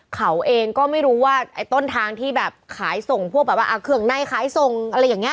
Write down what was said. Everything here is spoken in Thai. เขาเองก็ไม่รู้ว่าไอ้ต้นทางที่แบบขายส่งพวกแบบว่าเครื่องในขายส่งอะไรอย่างนี้